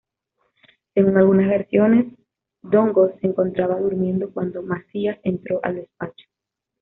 Según algunas versiones, Ndongo se encontraba durmiendo cuando Macías entró al despacho.